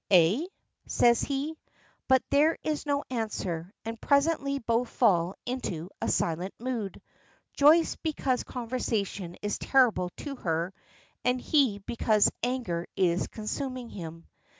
"Eh?" says he. But there is no answer, and presently both fall into a silent mood Joyce because conversation is terrible to her, and he because anger is consuming him.